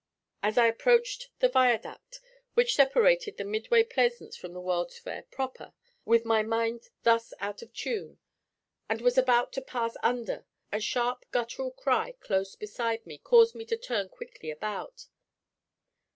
As I approached the viaduct which separated the Midway Plaisance from the World's Fair proper, with my mind thus out of tune, and was about to pass under, a sharp guttural cry close beside me caused me to turn quickly about.